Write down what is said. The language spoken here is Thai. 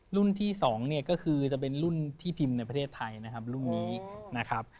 รุ่นที่๒เนี่ยก็คือจะเป็นรุ่นที่พิมพ์ในประเทศไทยนะครับรุ่นนี้นะครับ